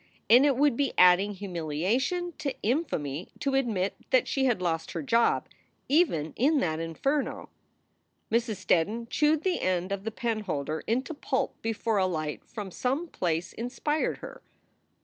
And it would be adding humilia tion to infamy to admit that she had lost her job even in that inferno. Mrs. Steddon chewed the end of the penholder into pulp before a light from some place inspired her.